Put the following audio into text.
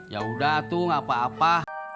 yaudah tuh gak apa apa